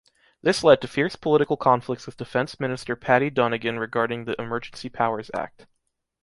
This led to fierce political conflicts with defense minister Paddy Donegan regarding the Emergency Powers Act.